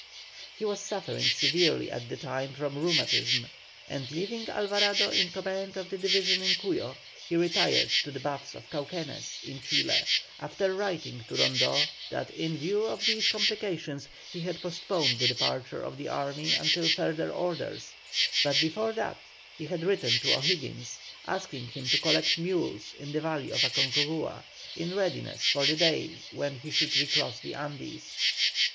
He was suffering severely at the time from rheumatism, and leaving Alvarado in command of the division in Cuyo, he retired to the baths of Cauquenes in Chile, after writing to Rondeau that in view of these complications he had postponed the departure of the army until further orders; but before that he had written to O'Higgins asking him to collect mules in the valley of Aconcagua, in readiness for the day when he should recross the Andes.